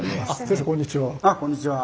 先生こんにちは。